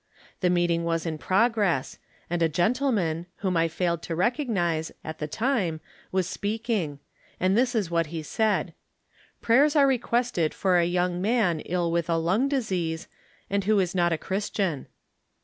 The meeting was in progress, and a gentleman, whom I failed to recognize, at the time, was speaking, and this is what he said :" Prayers are requested for a young man ill with a lung disease, and who is not a Clxristian."